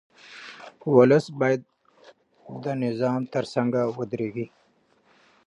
ولس باید د نظام ترڅنګ ودرېږي.